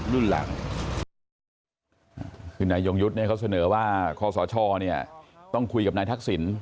คุณนายติวโยงยศเขาเสนอว่าคศชต้องคุยกับทรักษิญ